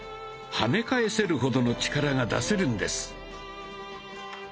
はね返せるほどの力が出せるんです。